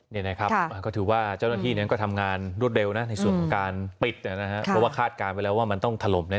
นี่นะครับก็ถือว่าเจ้าหน้าที่นั้นก็ทำงานรวดเร็วนะในส่วนของการปิดนะครับเพราะว่าคาดการณ์ไว้แล้วว่ามันต้องถล่มแน่